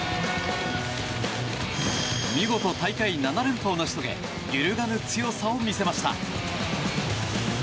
見事、大会７連覇を成し遂げ揺るがぬ強さを見せました。